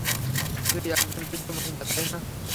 শুধুই একজন্য বৃদ্ধ মহিলা, তাই না?